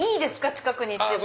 近くに行っても。